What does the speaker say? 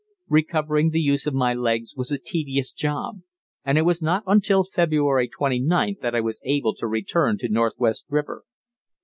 Recovering the use of my legs was a tedious job, and it was not until February 29th that I was able to return to Northwest River.